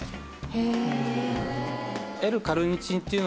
へえ。